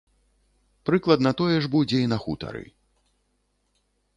Прыкладна тое ж будзе і на хутары.